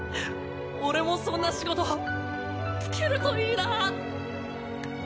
俺もそんな仕事就けるといいな。